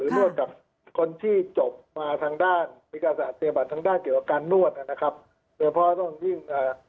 หรือนวดกับคนที่จบมาทางด้านวิกาศาสตร์เจริญบัตรทางด้านเกี่ยวกับการนวดนะครับเพราะว่าต้องยิ่ง